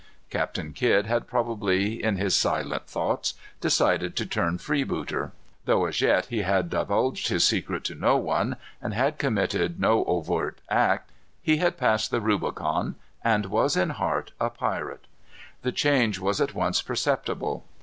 Captain Kidd had probably, in his silent thoughts, decided to turn freebooter. Though as yet he had divulged his secret to no one, and had committed no overt act, he had passed the Rubicon, and was in heart a pirate. The change was at once perceptible.